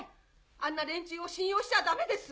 あんな連中を信用しちゃダメです。